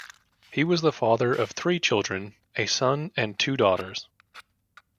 He was the father of three children, a son and two daughters.